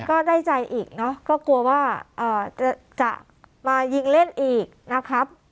ก็ได้ใจอีกเนอะก็กลัวว่าจะมายิงเล่นอีกนะครับ